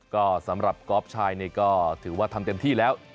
ก็สำหรับกอล์ฟชายนี่ก็ถือว่าทำเต็มที่แล้ว